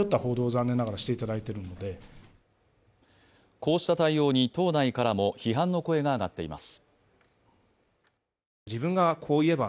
こうした対応に党内からも批判の声が上がっています。